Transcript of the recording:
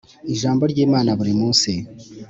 Ijambo ry Imana buri munsi